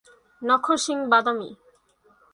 নখর শিং-বাদামি।